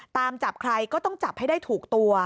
ตามจับใครก็ต้องจับให้ได้ถูกตัว